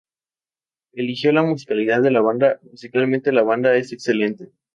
Elogió la musicalidad de la banda; "musicalmente, la banda es excelente.